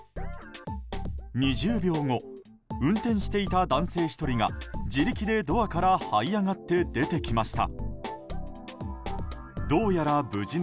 ２０秒後運転していた男性１人が自力でドアからはい上がって出てきました。